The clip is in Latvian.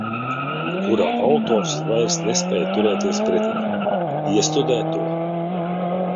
Kura autors vairs nespēj turēties pretī. Iestudē to.